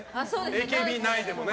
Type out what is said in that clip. ＡＫＢ内でもね。